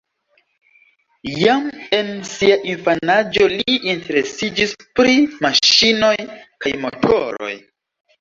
Jam en sia infanaĝo li interesiĝis pri maŝinoj kaj motoroj.